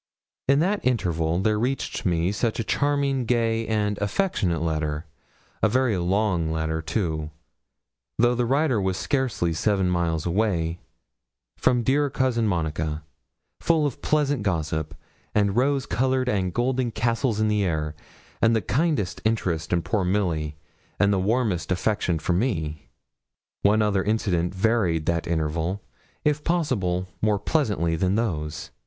In that interval there reached me such a charming, gay, and affectionate letter a very long letter, too though the writer was scarcely seven miles away, from dear Cousin Monica, full of pleasant gossip, and rose coloured and golden castles in the air, and the kindest interest in poor Milly, and the warmest affection for me. One other incident varied that interval, if possible more pleasantly than those.